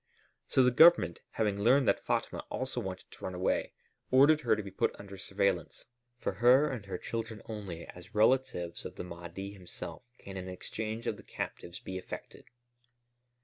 So the Government, having learned that Fatma also wanted to run away, ordered her to be put under surveillance. For her and her children only, as relatives of the Mahdi himself, can an exchange of the captives be effected."